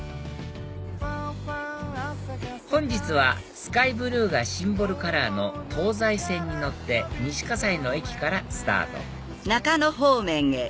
本日はスカイブルーがシンボルカラーの東西線に乗って西西の駅からスタート